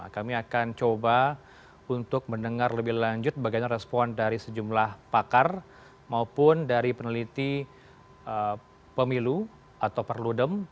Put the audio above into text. kami akan coba untuk mendengar lebih lanjut bagaimana respon dari sejumlah pakar maupun dari peneliti pemilu atau perludem